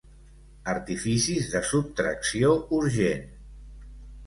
Artificis de subtracció urgent.